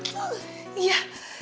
masa sih cuma itu